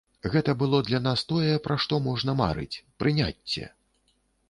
Гэта было для нас тое, пра што можна марыць,— прыняцце!